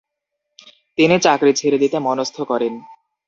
তিনি চাকরি ছেড়ে দিতে মনস্থ করেন।